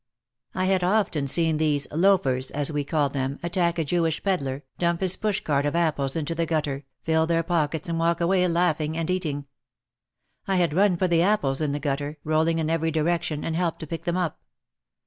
I had often seen these "loafers," as we called them, attack a Jewish pedlar, dump his push cart of apples into the gutter, fill their pockets and walk away laughing and eating. I had run for the apples in the gutter, rolling in every di rection, and helped to pick them up.